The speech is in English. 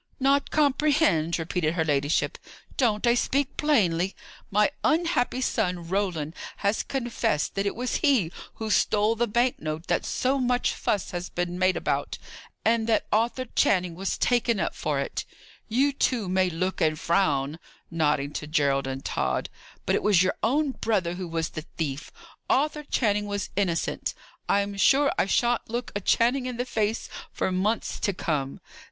"Not comprehend!" repeated her ladyship. "Don't I speak plainly? My unhappy son Roland has confessed that it was he who stole the bank note that so much fuss has been made about, and that Arthur Channing was taken up for. You two may look and frown" nodding to Gerald and Tod "but it was your own brother who was the thief; Arthur Channing was innocent. I'm sure I shan't look a Channing in the face for months to come!